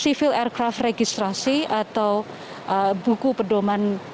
sekarang ada dua ratus delapan puluh empat helikopter yang berkenaan